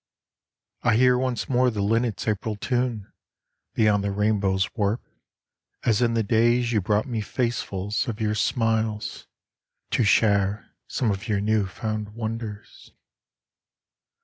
... I hear once more the linnets' April tune Beyond the rainbow's warp, as in the days You brought me facefuls of your smiles to share Some of your new found wonders.